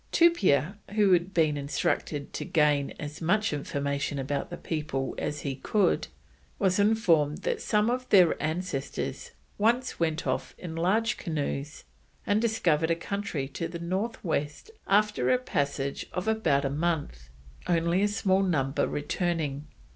Tupia, who had been instructed to gain as much information about the people as he could, was informed that some of their ancestors once went off in large canoes and discovered a country to the north west after a passage of about a month, only a small number returning.